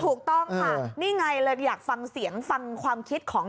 ถูกต้องค่ะนี่ไงเลยอยากฟังเสียงฟังความคิดของ